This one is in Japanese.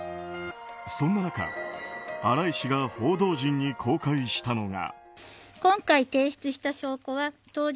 そんな中、新井氏が報道陣に公開したのが。